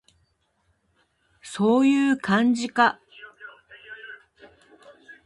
そういう感じか